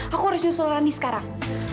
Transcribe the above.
aku harus nyusul runni sekarang